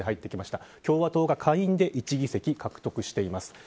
共和党が下院で１議席獲得しています。